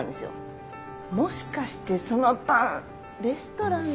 もしかしてそのパンレストランで。